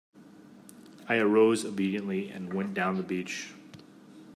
I arose obediently and went down the beach.